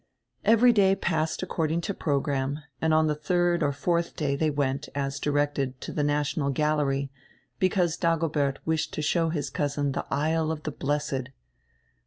Every day passed according to program, and on die diird or fourth day they went, as directed, to die National Gal lery, because Dagobert wished to show his cousin die "Isle of die Blessed."